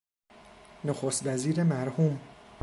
نخست وزیر مرحوم